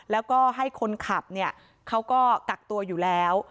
แล้วก็ให้คนขับเนี่ยเขาก็กักตัวอยู่แล้ว